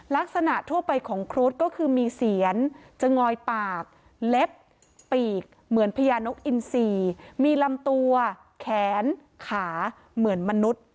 ลักษณะทั่วไปของครุฑก็คือมีเสียนจะงอยปากเล็บปีกเหมือนพญานกอินซีมีลำตัวแขนขาเหมือนมนุษย์